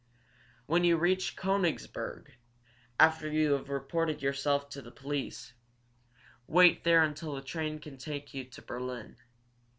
When you reach Koenigsberg, after you have reported yourself to the police, wait there until a train can take you to Berlin.